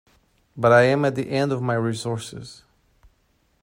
But I am at the end of my resources.